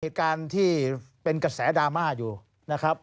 เหตุการณ์ที่เป็นกระแสดราม่าอยู่นะครับ